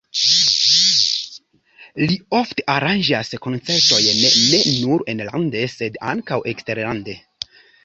Li ofte aranĝas koncertojn ne nur enlande, sed ankaŭ eksterlande.